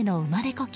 故郷